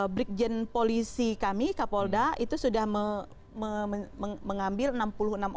brigjen polisi kami kapolda itu sudah mengambil enam puluh enam orang dan lima belas perusahaan personal